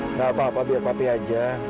nggak apa apa biar papi aja